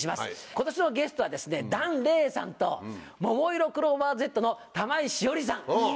今年のゲストはですね檀れいさんとももいろクローバーＺの玉井詩織さん。